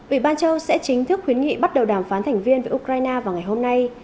ủy ban châu sẽ chính thức khuyến nghị bắt đầu đàm phán thành viên với ukraine vào ngày hôm nay